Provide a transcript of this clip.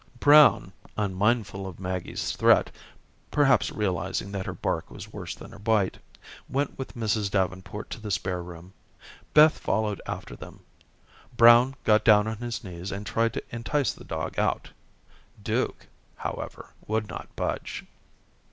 Brown, unmindful of Maggie's threat, perhaps realizing that her bark was worse than her bite, went with Mrs. Davenport to the spare room. Beth followed after them. Brown got down upon his knees and tried to entice the dog out. Duke, however, would not budge.